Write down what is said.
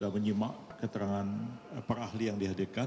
menyimak keterangan para ahli yang dihadirkan